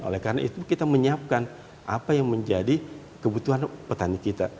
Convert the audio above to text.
oleh karena itu kita menyiapkan apa yang menjadi kebutuhan petani kita